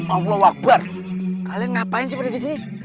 allah waqbar kalian ngapain sih berdisi